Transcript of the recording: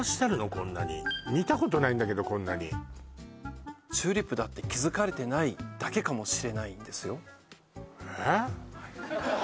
こんなに見たことないんだけどこんなにチューリップだって気づかれてないだけかもしれないんですよええ？